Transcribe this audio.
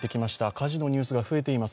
火事のニュースが増えています。